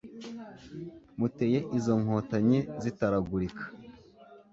muteye izo nkotanyi zitaragulika